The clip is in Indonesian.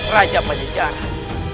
raja pada sejarah